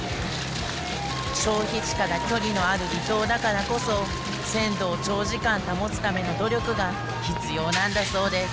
消費地から距離のある離島だからこそ鮮度を長時間保つための努力が必要なんだそうです